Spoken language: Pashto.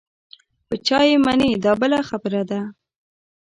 په چا یې منې دا بله خبره ده.